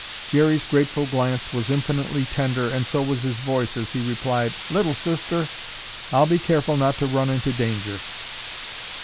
Jerry's grateful glance was infinitely tender and so was his voice as he replied, "Little Sister, I'll be careful not to run into danger."